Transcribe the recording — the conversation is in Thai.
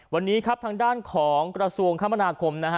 วันนี้ครับทางด้านของกระทรวงคมนาคมนะฮะ